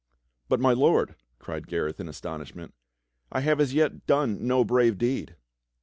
"But, my Lord," cried Gareth in astonishment, "I have as yet done no brave deed!"